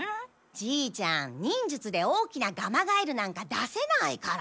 じーちゃん忍術で大きなガマガエルなんか出せないから。